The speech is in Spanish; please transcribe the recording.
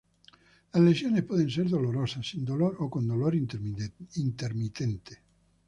Las lesiones pueden ser dolorosas, sin dolor o con dolor intermitente.